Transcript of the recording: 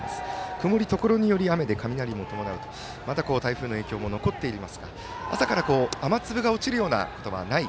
曇りところにより雨で雷も伴うとまだ台風の影響も残っていますが朝から雨粒が落ちるようなことはない